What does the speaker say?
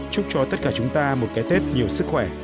chúc cho tất cả chúng ta một cái tết nhiều sức khỏe